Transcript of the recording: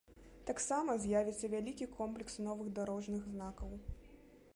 Таксама з'явіцца вялікі комплекс новых дарожных знакаў.